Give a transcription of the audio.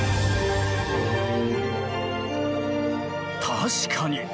確かに。